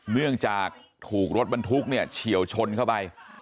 เนื่องจากถูกรถบรรทุกเนี่ยเฉียวชนเข้าไป